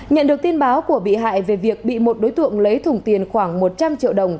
nhận được tin báo của bị hại về việc bị một đối tượng lấy thùng tiền khoảng một trăm linh triệu đồng